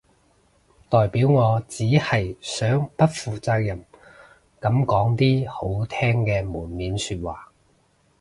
代表我只係想不負責任噉講啲好聽嘅門面說話